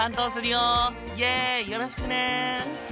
よろしくね！